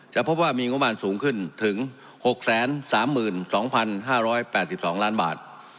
พบว่ามีงบประมาณสูงขึ้นถึง๖๓๒๕๘๒ล้านบาท